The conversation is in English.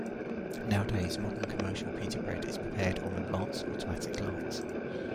Nowadays, modern commercial pita bread is prepared on advanced automatic lines.